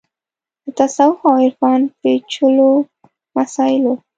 د تصوف او عرفان پېچلو مسایلو